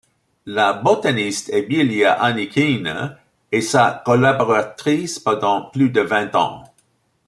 La botaniste Emilia Anikina est sa collaboratrice pendant plus de vingt ans.